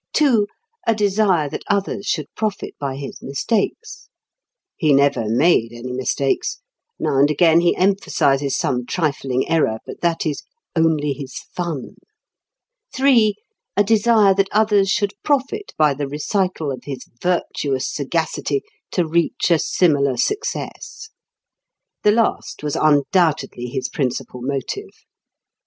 (2) A desire that others should profit by his mistakes. He never made any mistakes. Now and again he emphasizes some trifling error, but that is "only his fun." (3) A desire that others should profit by the recital of his virtuous sagacity to reach a similar success. The last was undoubtedly his principal motive.